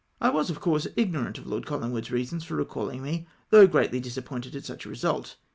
I was, of com'se, ignorant of Lord CoUingwood's reasons for recalling me, though greatly disappointed at such a result.